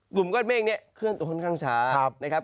กลุ่มก้อนเมฆเนี่ยเคลื่อนตัวค่อนข้างช้านะครับ